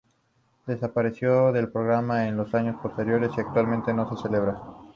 Desapareció del programa en los años posteriores y actualmente no se celebra.